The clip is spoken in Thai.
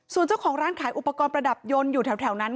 ส่วนเจ้าของร้านขายอุปกรณ์ประดับยนต์อยู่แถวนั้น